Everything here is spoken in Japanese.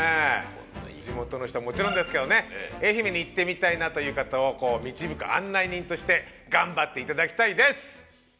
地元の人はもちろんですけどね愛媛に行ってみたいなという方を導く案内人として頑張って頂きたいです。